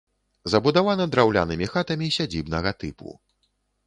Забудавана драўлянымі хатамі сядзібнага тыпу.